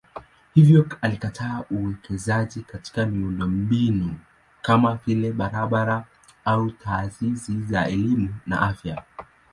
Hivyo alikataa uwekezaji katika miundombinu kama vile barabara au taasisi za elimu na afya.